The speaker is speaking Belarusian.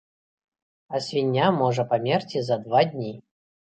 А свіння можа памерці за два дні.